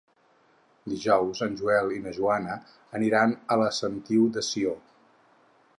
Dijous en Joel i na Joana aniran a la Sentiu de Sió.